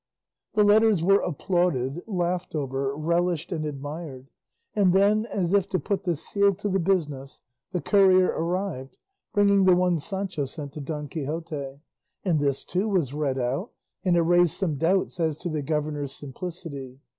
The letters were applauded, laughed over, relished, and admired; and then, as if to put the seal to the business, the courier arrived, bringing the one Sancho sent to Don Quixote, and this, too, was read out, and it raised some doubts as to the governor's simplicity.